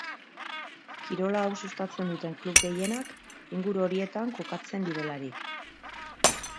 Kirol hau sustatzen duten klub gehienak inguru horietan kokatzen direlarik.